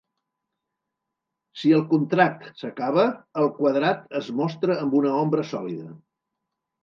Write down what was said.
Si el contract s'acaba el quadrat es mostra amb una ombra sòlida.